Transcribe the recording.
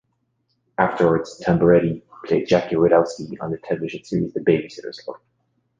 Afterwards, Tamberelli played Jackie Rodowsky on the television series "The Baby-Sitters Club".